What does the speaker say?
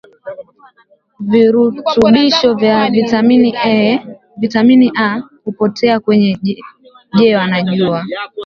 virutubisho vya vitamin A huppotea kwenye jewa na jua